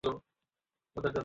পান করেই চলে যাবো।